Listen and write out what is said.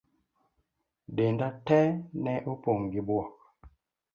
Denda tee ne opong' gi buok.